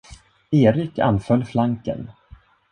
Eric anföll flanken.